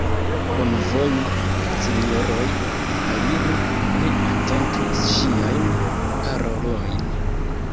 Bonvolu, sinjoroj, aliru, ne atentu ŝiajn parolojn!